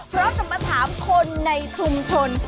เพราะจะมาถามคนในชุมชน